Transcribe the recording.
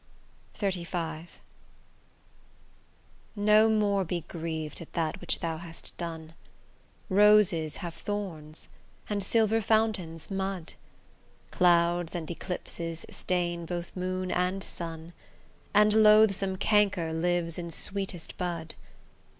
XXXV No more be griev'd at that which thou hast done: Roses have thorns, and silver fountains mud: Clouds and eclipses stain both moon and sun, And loathsome canker lives in sweetest bud.